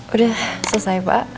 udah selesai pak